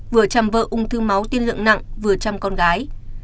vừa chăm vợ ung thư máu tiên lượng nặng vừa chăm con gái